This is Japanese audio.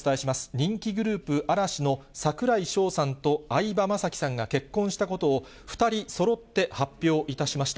人気グループ、嵐の櫻井翔さんと相葉雅紀さんが結婚したことを２人そろって発表いたしました。